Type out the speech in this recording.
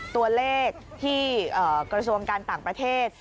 ตัวเลขที่กระทรวงการต่างประเทศ